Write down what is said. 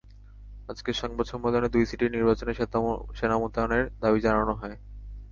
আজকের সংবাদ সম্মেলনে দুই সিটির নির্বাচনে সেনা মোতায়েনের দাবি জানানো হয়।